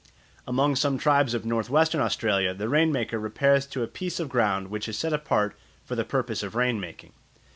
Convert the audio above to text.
Among some tribes of North western Australia the rain maker repairs to a piece of ground which is set apart for the purpose of rain making.